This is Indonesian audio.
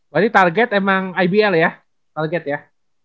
berarti target emang ibl ya target ya